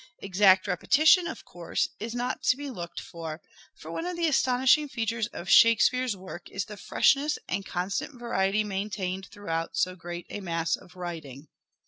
Exact repetition, of course, is not to be looked for ; for one of the astonishing features of " Shakespeare's " work is the freshness and constant variety maintained throughout so great a mass of writing.